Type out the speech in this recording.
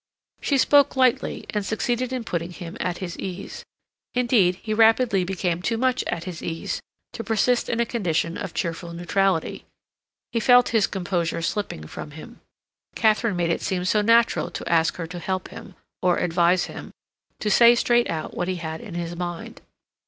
She spoke lightly, and succeeded in putting him at his ease. Indeed, he rapidly became too much at his ease to persist in a condition of cheerful neutrality. He felt his composure slipping from him. Katharine made it seem so natural to ask her to help him, or advise him, to say straight out what he had in his mind.